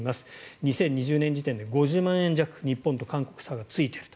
２０２０年時点で５０万円弱日本と韓国は差がついていると。